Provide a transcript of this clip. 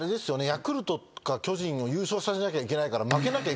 ヤクルトか巨人を優勝させなきゃいけないから。